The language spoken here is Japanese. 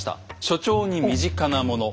所長に身近なもの。